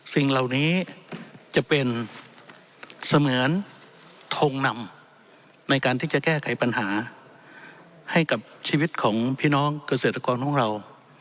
สิ่งเหล่านี้จะเป็นเสมือนทงนำในการที่จะแก้ไขปัญหาให้กับชีวิตของพี่น้องเกษตรกรของเรา